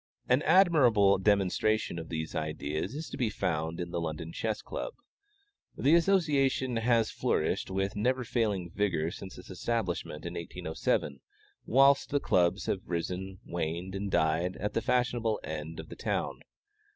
An admirable demonstration of these ideas is to be found in the London Chess Club. This association has flourished with never failing vigor since its establishment in 1807, whilst Clubs have risen, waned, and died at the fashionable end of the town.